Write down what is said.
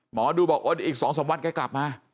หมอดูบอกอีก๒๓วันแกกลับมา